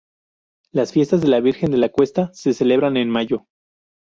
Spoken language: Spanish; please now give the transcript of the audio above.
Las fiestas de la Virgen de la Cuesta se celebran en mayo.